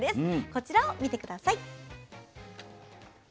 こちらを見て下さい。